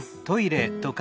トイレ？